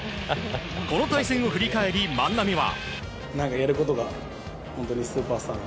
この対戦を振り返り万波は。